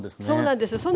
そうなんです。